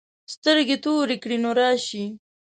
سترګې تورې کړې نو راشې.